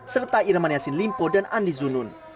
serta irman yasin limpo dan andi zunun